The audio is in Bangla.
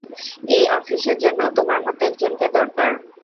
এই অফিসের জন্য, তোমার মতো একজনকে দরকার।